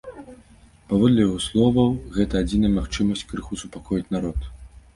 Паводле яго словаў, гэта адзіная магчымасць крыху супакоіць народ.